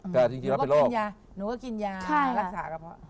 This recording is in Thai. แต่จริงแล้วเป็นโรคอเรนนี่ก็กินยารักษากระเพาะอเรนนี่ก็กินยาใช่ล่ะ